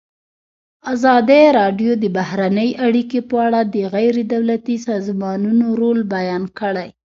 ازادي راډیو د بهرنۍ اړیکې په اړه د غیر دولتي سازمانونو رول بیان کړی.